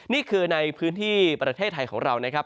นี่คือในพื้นที่ประเทศไทยของเรานะครับ